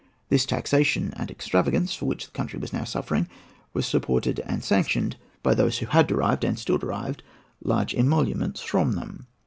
This taxation, and extravagance, for which the country was now suffering, was supported and sanctioned by those who had derived and still derived large emoluments from them.